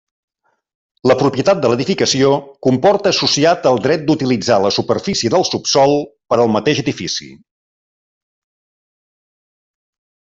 La propietat de l'edificació comporta associat el dret d'utilitzar la superfície del subsòl per al mateix edifici.